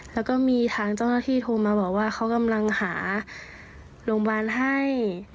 แล้วก็มีทางเจ้าหน้าที่โทรมาบอกว่าเขากำลังหาโรงพยาบาลให้